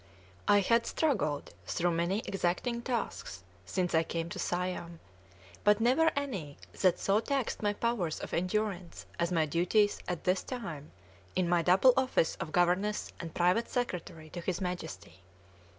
I had struggled through many exacting tasks since I came to Siam, but never any that so taxed my powers of endurance as my duties at this time, in my double office of governess and private secretary to his Majesty.